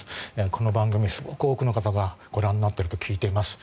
この番組、すごく多くの方がご覧になっていると聞いています。